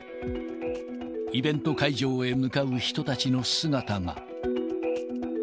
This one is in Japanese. イベント会場へ向かう人たちの姿が。